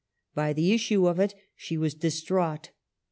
By the issue of it she was distraught.